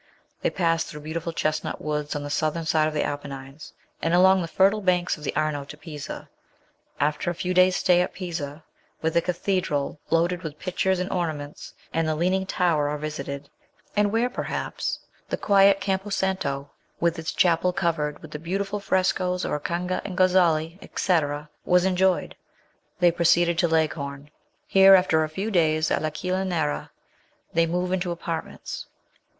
They pass through beautiful chestnut woods on the southern side of the Apennines, and along the fertile banks of the Arno to Pisa. After a few days' stay at Pisa, where the cathedral, " loaded with pictures arid ornaments," and the leaning tower are visited, and where, perhaps, the quiet Campo LIFE IN ITALY. 129 Santo, with its chapel covered with the beautiful frescos of Orcagna and Gozzoli, &c., was enjoyed, they proceed to Leghorn ; here, alter a few days at L'Aquila Nera, they move into apartments.